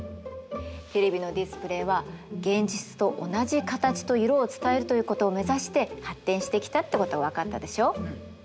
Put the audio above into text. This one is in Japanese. テレビのディスプレイは現実と同じ形と色を伝えるということを目指して発展してきたってことが分かったでしょう。